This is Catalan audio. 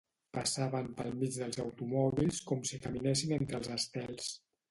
Passaven pel mig dels automòbils com si caminessin entre els estels.